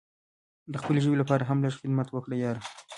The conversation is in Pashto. د خپلې ژبې لپاره هم لږ څه خدمت وکړه یاره!